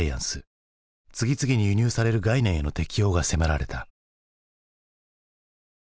次々に輸入される概念への適応が迫られた。